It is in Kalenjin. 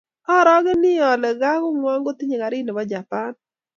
Aarogeni ale nga kongwong kotinyei karit nebo Japan